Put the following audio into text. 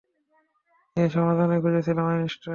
এর সমাধানই খুঁজছিলেন আইনস্টাইন।